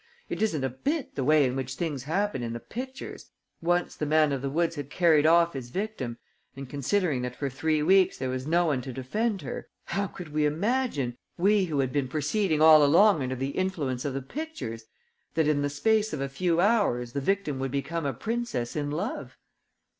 It isn't a bit the way in which things happen in the pictures! Once the man of the woods had carried off his victim and considering that for three weeks there was no one to defend her, how could we imagine we who had been proceeding all along under the influence of the pictures that in the space of a few hours the victim would become a princess in love?